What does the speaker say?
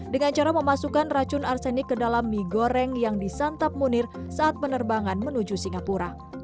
dengan cara memasukkan racun arsenik ke dalam mie goreng yang disantap munir saat penerbangan menuju singapura